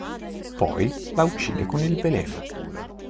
Poi la uccide con il veleno.